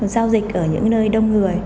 giao dịch ở những nơi đông người